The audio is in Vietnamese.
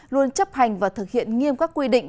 luôn chấp hành và thực hiện nghiêm các quy định